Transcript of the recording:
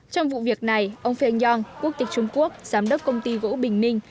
trong vụ việc này ông feng yong quốc tịch trung quốc giám đốc công ty gỗ bình minh